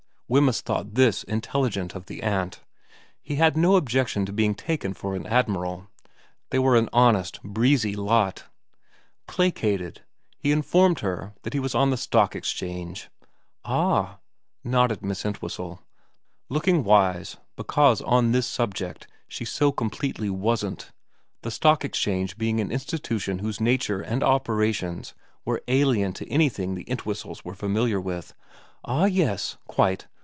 Wemyss thought this intelligent of the aunt. He had no objection to being taken for an admiral ; they were an honest, breezy lot. Placated, he informed her that he was on the Stock Exchange. ' Ah,' nodded Miss Entwhistle, looking wise because on this subject she so completely wasn't, the Stock Exchange being an institution whose nature and opera tions were alien to anything the Entwhistles were familiar with ;' ah yes. Quite.